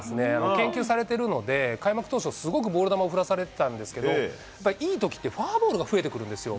研究されてるので、開幕当初は、すごいボール球振らされていたんですけど、やっぱいいときってフォアボールが増えてくるんですよ。